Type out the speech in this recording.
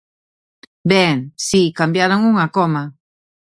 Ben, si, cambiaron unha coma.